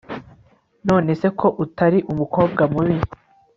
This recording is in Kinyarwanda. nonese ko utari umukobwa mubi